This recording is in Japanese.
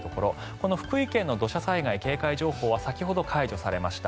この福井県の土砂災害警戒情報は先ほど解除されました。